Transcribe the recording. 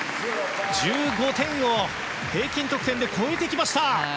１５点を平均得点で超えてきました！